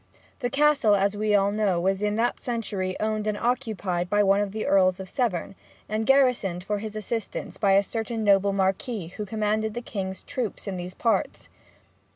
The Castle, as we all know, was in that century owned and occupied by one of the Earls of Severn, and garrisoned for his assistance by a certain noble Marquis who commanded the King's troops in these parts.